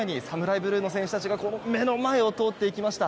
ブルーの選手たちが目の前を通ってきました。